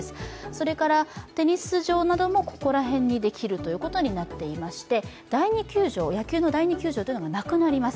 それからテニス場などもここら辺にできることになっていまして野球の第二球場というのがなくなります。